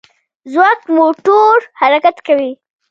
ځواک موټور حرکت کوي.